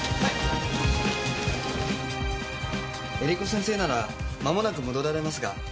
英理子先生ならまもなく戻られますが。